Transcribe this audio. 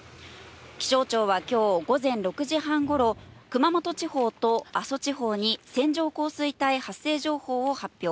気象庁はきょう午前６時半ごろ、熊本地方と阿蘇地方に線状降水帯発生情報を発表。